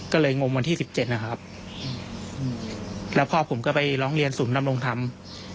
ก็เลยงมวันที่๑๗นะครับแล้วพ่อผมก็ไปร้องเรียนศูนย์ดำรงธรรม